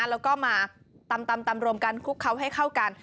แล้วก็มาตำรวมกันคลุกเขาให้เข้ากัน